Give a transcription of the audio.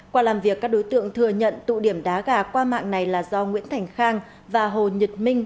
qua làm việc các đối tượng thừa nhận tụ điểm đá gà qua mạng này là do nguyễn thành khang và hồ nhật minh